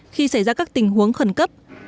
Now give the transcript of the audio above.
khi xảy ra các tình huống khẩn cấp